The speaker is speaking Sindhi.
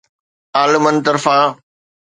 عالمن طرفان